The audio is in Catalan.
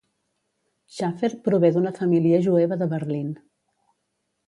Schaffer prové d'una família jueva de Berlin.